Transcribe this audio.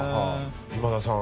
今田さん